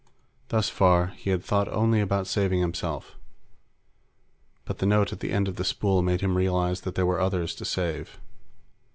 Thus far, he had thought only about saving himself. But the note at the end of the spool made him realize that there were others to save.